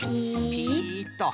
ピッと。